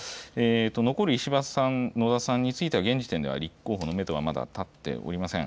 残る石破さん、野田さんについて現時点で立候補のめどはまだ立っていません。